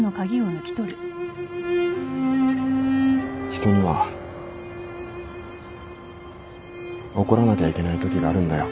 人には怒らなきゃいけないときがあるんだよ。